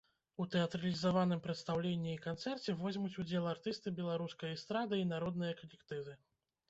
У тэатралізаваным прадстаўленні і канцэрце возьмуць удзел артысты беларускай эстрады і народныя калектывы.